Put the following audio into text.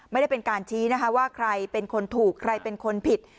ไม่ได้เป็นการชี้นะคะว่าใครเป็นคนถูกใครเป็นคนผิด